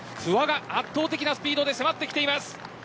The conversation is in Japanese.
圧倒的なスピードで迫ってきています。